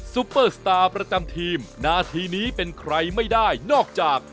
ปเปอร์สตาร์ประจำทีมนาทีนี้เป็นใครไม่ได้นอกจาก